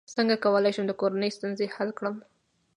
څنګه کولی شم د کورنۍ ستونزې حل کړم